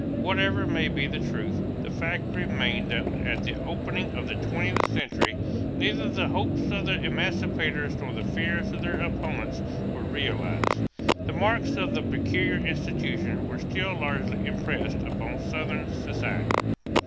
Whatever may be the truth, the fact remained that at the opening of the twentieth century neither the hopes of the emancipators nor the fears of their opponents were realized. The marks of the "peculiar institution" were still largely impressed upon Southern society.